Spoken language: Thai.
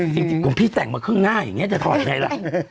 จริงของพี่แต่งมาครึ่งหน้าอย่างนี้จะถอดไงล่ะ